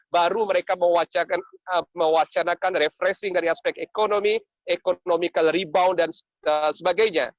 baru mereka mewacanakan refreshing dari aspek ekonomi ekonomical rebound dan sebagainya